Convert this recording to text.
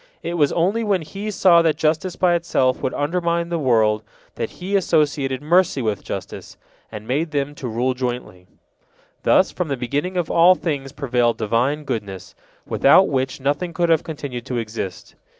It was only when He saw that justice by itself would undermine the world that He associated mercy with justice, and made them to rule jointly. Thus, from the beginning of all things prevailed Divine goodness, without which nothing could have continued to exist.